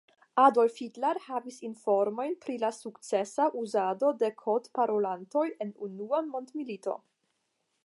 Adolf Hitler havis informojn pri la sukcesa uzado de kodparolantoj en Unua Mondmilito.